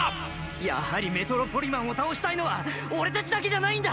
やはりメトロポリマンを倒したいのは俺達だけじゃないんだ！